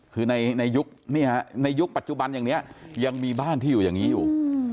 คือในยุคในยุคปัจจุบันอย่างนี้ยังมีบ้านที่อยู่อย่างนี้อยู่